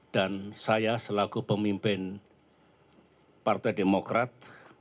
dan saya selaku pemimpin partai demokrat